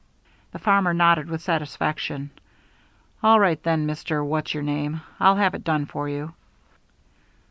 The farmer nodded with satisfaction. "All right then, Mr. What's your name. I'll have it done for you."